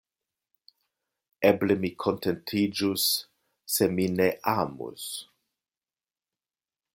Eble mi kontentiĝus se mi ne amus.